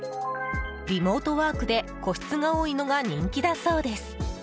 リモートワークで個室が多いのが人気だそうです。